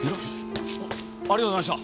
あありがとうございました。